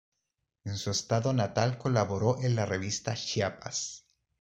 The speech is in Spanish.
En su estado natal colaboró en la Revista Chiapas.